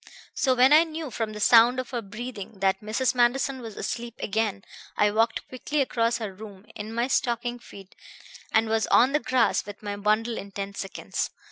"So when I knew from the sound of her breathing that Mrs. Manderson was asleep again I walked quickly across her room in my stocking feet and was on the grass with my bundle in ten seconds.